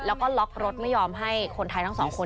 แล้วก็ล็อกรถไม่ยอมให้คนไทยทั้ง๒คนโดยลง